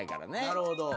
なるほど。